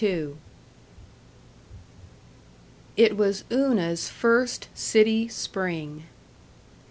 § 4 It was Una's first city spring.